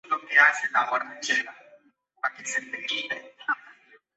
En ese mismo año logró la hazaña de finalizar las tres grandes vueltas.